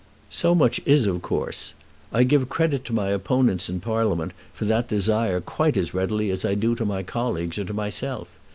"So much is of course. I give credit to my opponents in Parliament for that desire quite as readily as I do to my colleagues or to myself.